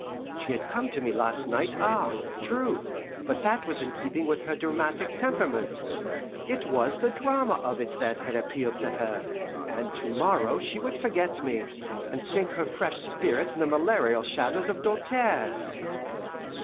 She had come to me last night ah true; but that was in keeping with her dramatic temperament; it was the drama of it that had appealed to her; and to morrow she would forget me, and sink her fresh spirit in the malarial shadows of Doltaire's.